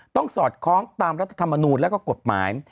สอดคล้องตามรัฐธรรมนูลแล้วก็กฎหมาย